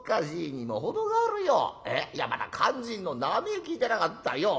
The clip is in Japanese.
いやまだ肝心の名前聞いてなかったよ。